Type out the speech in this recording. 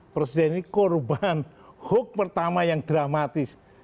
presiden ini korban hoax pertama yang dramatis